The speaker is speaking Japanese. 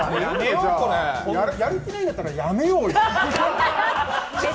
やる気ないんだったらやめようよ。